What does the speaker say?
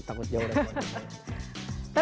takut jauh dari keluarga